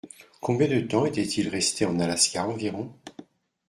Combien de temps était-il resté en Alaska environ ?